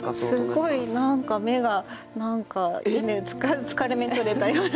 すごい何か目が何か疲れ目とれたような。